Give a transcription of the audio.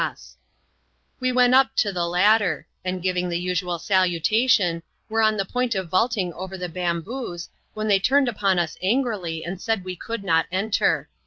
291 We went up to the latter ; and giving the usual salutation, were on the point of vaulting over the bamboos, when they turned upon us angrily, and said we could not enter.